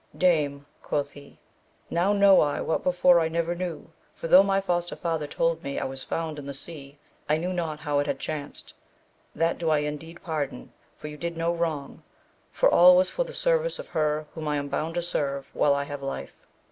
Dame, AMADIS OF GAUL. 227 quoth he, now know I what before I never knew, for though my foster father told me I was found in the sea, I knew not how it had chanced, that do I indeed pardon, for you did no wrong, for all was for the service of her whom I am bound to serve while I have life.